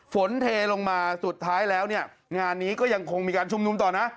เทลงมาสุดท้ายแล้วเนี่ยงานนี้ก็ยังคงมีการชุมนุมต่อนะ